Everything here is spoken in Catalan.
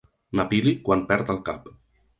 Na Pili quan perd el cap.